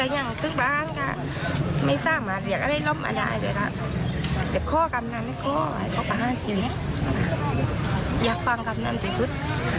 อยากฟังคำนั้นที่สุด